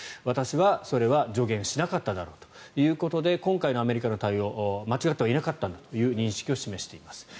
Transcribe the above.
私はそれは助言しなかっただろうということで今回のアメリカの対応間違ってはいなかったんだという認識を示しています。